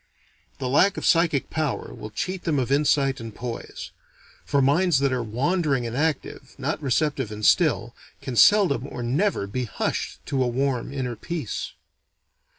This lack of psychic power will cheat them of insight and poise; for minds that are wandering and active, not receptive and still, can seldom or never be hushed to a warm inner peace.